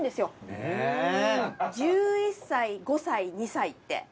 １１歳５歳２歳って。